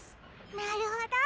なるほど。